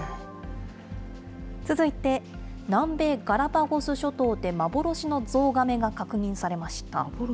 続いて、南米ガラパゴス諸島で幻のゾウガメが確認されました。